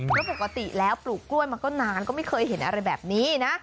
เพราะปกติแล้วปลูกกล้วยมาก็นานก็ไม่เคยเห็นอะไรแบบนี้นะ